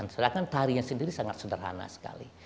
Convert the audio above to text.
sedangkan tarian sendiri sangat sederhana sekali